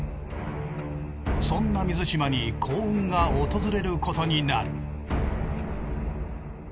そんな水嶋に幸運が訪れることになる。